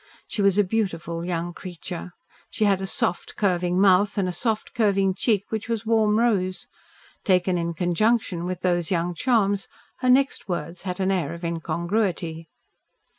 She was a beautiful young creature. She had a soft curving mouth, and a soft curving cheek which was warm rose. Taken in conjunction with those young charms, her next words had an air of incongruity.